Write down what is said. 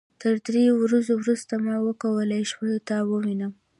تر دریو ورځو وروسته ما وکولای شو تا ووينم.